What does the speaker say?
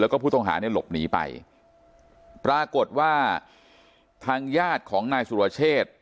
แล้วก็ผู้ต้องหาเนี่ยหลบหนีไปปรากฏว่าทางญาติของนายสุรเชษ